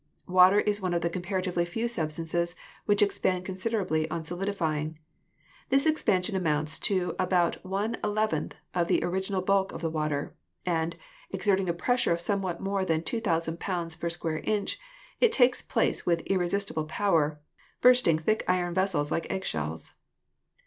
Water is one of the comparatively few substances which expand considerably on solidifying. This expansion amounts to about one eleventh of the original bulk of the water, and, exerting a pressure of somewhat more than 2,000 pounds per square inch, takes place with irresistible power, bursting thick iron vessels like egg shells.